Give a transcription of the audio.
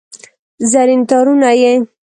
زرین تارونه یې